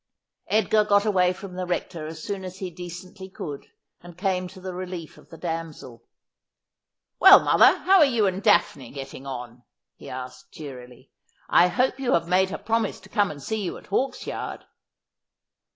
Edgar got away from the Rector as soon as he decently could, and came to the relief of the damsel. ' Well, mother, how are you and Daphne getting on ?' he asked cheerily. ' I hope you have made her promise to come to see you at Hawksyard.'